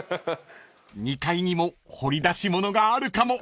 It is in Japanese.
［２階にも掘り出し物があるかも］